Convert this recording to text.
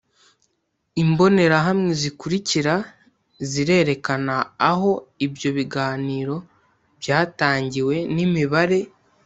Imbonerahamwe zikurikira zirerekana aho ibyo biganiro byatangiwe n imibare